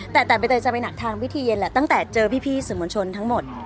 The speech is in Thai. แต่ใบเตยจะไปหนักทางพิธีเย็นแหละตั้งแต่เจอพี่สื่อมวลชนทั้งหมด